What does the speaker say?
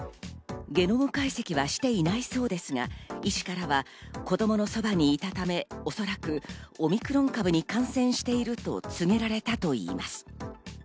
ゲノム解析はしていないそうですが、医師からは子供のそばにいたため、おそらくオミクロン株に感染していると告げられたといいます。